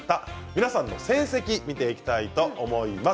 皆さんの成績を見ていきたいと思います。